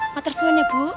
pater semuanya bu